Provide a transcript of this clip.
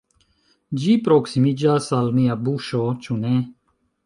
Ĝi proksimiĝas al mia buŝo, ĉu ne?